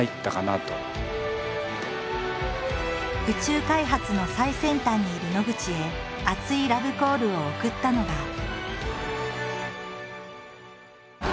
宇宙開発の最先端にいる野口へ熱いラブコールを送ったのが。